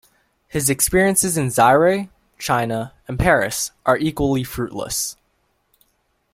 His experiences in Zaire, China, and Paris are equally fruitless.